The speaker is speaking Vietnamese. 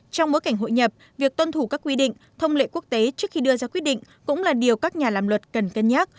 trong bối cảnh hội nhập việc tuân thủ các quy định thông lệ quốc tế trước khi đưa ra quyết định cũng là điều các nhà làm luật cần cân nhắc